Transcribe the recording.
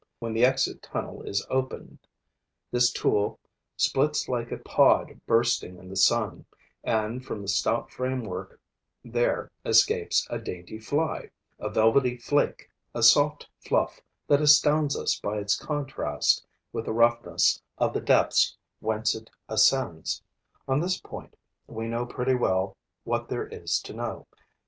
When the exit tunnel is opened, this tool splits like a pod bursting in the sun; and from the stout framework there escapes a dainty fly, a velvety flake, a soft fluff that astounds us by its contrast with the roughness of the depths whence it ascends. On this point, we know pretty well what there is to know.